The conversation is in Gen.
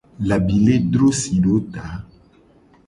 Labile dro si do ta.